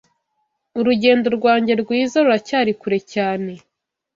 Urugendo rwanjye rwiza ruracyari kure cyane!